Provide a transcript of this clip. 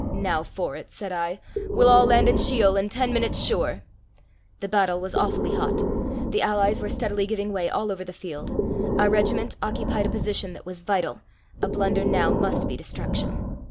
Now for it, said I; we'll all land in Sheol in ten minutes, sure. The battle was awfully hot; the allies were steadily giving way all over the field. Our regiment occupied a position that was vital; a blunder now must be destruction.